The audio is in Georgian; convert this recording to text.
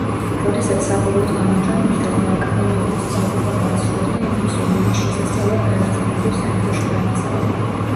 როდესაც საბოლოოდ გამოჯანმრთელდა, აკადემიური სწავლება დაასრულა და ინგლისური ენის შესასწავლად გაერთიანებულ სამეფოში გაემგზავრა.